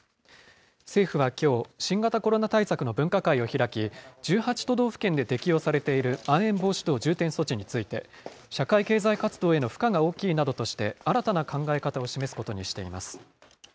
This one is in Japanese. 政府はきょう、新型コロナ対策の分科会を開き、１８都道府県で適用されているまん延防止等重点措置について、社会経済活動への負荷が大きいなどとして、新たな考え方を示すことにしています。